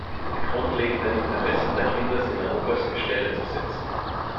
Die grundlegenden Interessen der Kinder sind an oberste Stelle zu setzen.